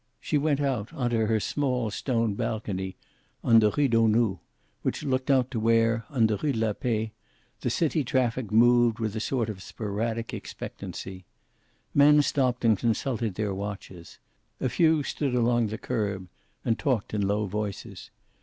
She went out onto her small stone balcony, on the Rue Danou, and looked out to where, on the Rue de la Paix, the city traffic moved with a sort of sporadic expectancy. Men stopped and consulted their watches. A few stood along the curb, and talked in low voices.